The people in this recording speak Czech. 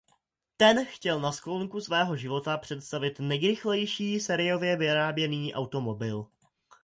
Ten chtěl na sklonku svého života představit nejrychlejší sériové vyráběný automobil.